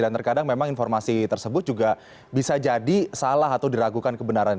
dan terkadang memang informasi tersebut juga bisa jadi salah atau diragukan kebenaran